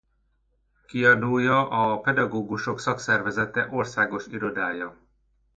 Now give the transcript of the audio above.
Kiadója a Pedagógusok Szakszervezete Országos Irodája.